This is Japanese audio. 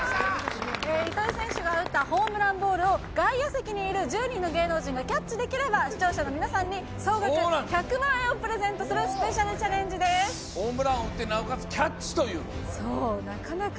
糸井選手が打ったホームランボールを外野席にいる１０人の芸能人がキャッチできれば、視聴者の皆さんに総額１００万円をプレゼントするホームランを打って更にキャッチという。